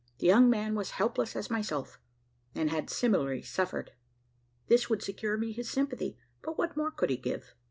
The young man was helpless as myself; and had similarly suffered. This would secure me his sympathy; but what more could he give?